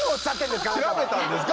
調べたんですか？